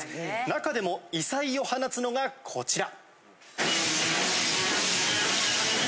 中でも異彩を放つのがこちら。